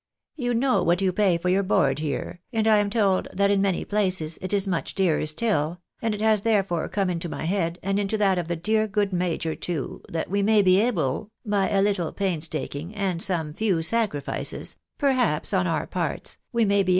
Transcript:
" You know what you pay for your board here, and I am told that in many places it is much dearer still, and it has therefore come into my head, and into that of the dear good major too, that we may be able, by a little pains taking, and some few sacrifices, perhaps, on our parts, we may be 170 THE BAKNABYS IN AMERICA.